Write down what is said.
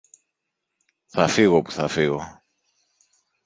Θα φύγω που θα φύγω!